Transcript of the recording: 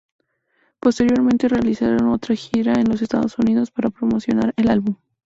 Posteriormente realizaron otra gira en los Estados Unidos para promocionar el álbum.